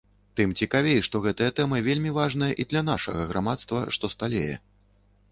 Тым цікавей, што гэтая тэма вельмі важная і для нашага грамадства, што сталее.